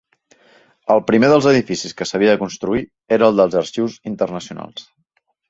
El primer dels edificis que s'havia de construir era el dels Arxius Internacionals.